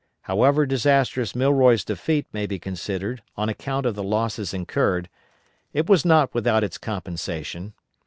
However disastrous Milroy's defeat may be considered on account of the losses incurred, it was not without its compensation.